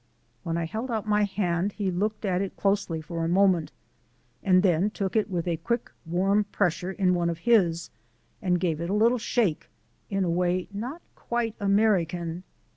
When I held out my hand he looked at it closely for a moment, and then took it with a quick warm pressure in one of his, and gave it a little shake, in a way not quite American.